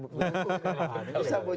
bisa bojol heptagetik semua